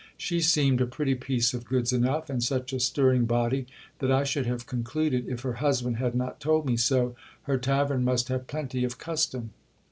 She seemed a pretty piece of goods enough, and such a stirring body, that I should have con cluded, if her husband had not told me so, her tavern must have plenty of cus tom.